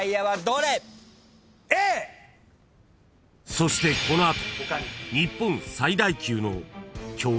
［そしてこの後］